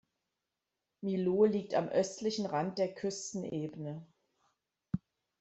Milot liegt am östlichen Rand der Küstenebene.